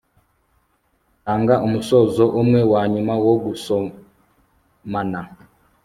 Tanga umusozo umwe wanyuma wo gusomana